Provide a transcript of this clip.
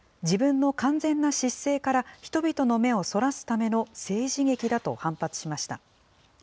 自分の完全な失政から人々の目をそらすための政治劇だと反発しました。